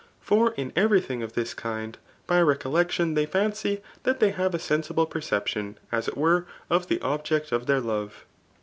For in every, thing cf diis kind^ by recoUestiim Ihey £tncy diat they have a^sehsibl^ perception as it ware <if the obJKt of their love.